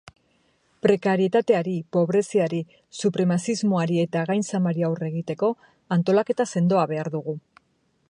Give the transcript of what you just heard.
Prekarietateari, pobretzeari, supremazismoari eta gainzamari aurre egiteko antolaketa sendoa behar dugu.